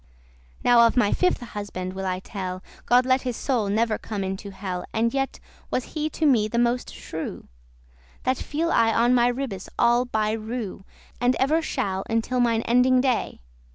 Now of my fifthe husband will I tell: God let his soul never come into hell. And yet was he to me the moste shrew;* *cruel, ill tempered That feel I on my ribbes all *by rew,* *in a row And ever shall, until mine ending day.